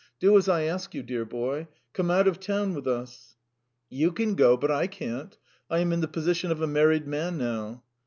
"Do as I ask you, dear boy; come out of town with us!" "You can go, but I can't. I am in the position of a married man now."